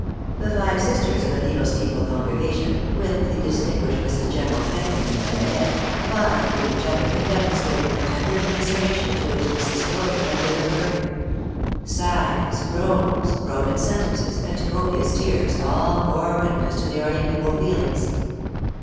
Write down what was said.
The five sisters of the Needle Steeple congregation, with the distinguished Mrs. General Pedmington at their head, vied with each other in demon strating the tender commiseration to which this disclosure had given birth. Sighs, groans, broken sentences, and copious tears, all bore witness to their amiable feelings.